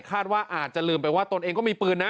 คาดว่าอาจจะลืมไปว่าตนเองก็มีปืนนะ